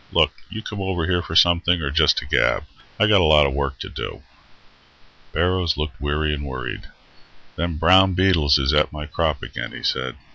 "Look, you come over here for something, or just to gab? I got a lot of work to do." Barrows looked weary and worried. "Them brown beetles is at my crop again," he said.